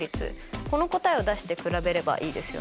この答えを出して比べればいいですよね。